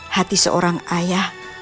hati seorang ayah